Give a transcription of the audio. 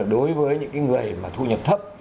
đối với những người thu nhập thấp